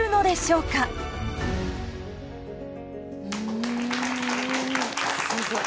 うんすごい！